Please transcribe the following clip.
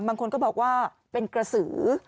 บางคนก็บอกว่าเป็นกระสือ